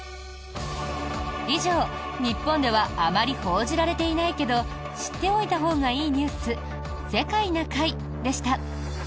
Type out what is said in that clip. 以上、日本ではあまり報じられていないけど知っておいたほうがいいニュース「世界な会」でした。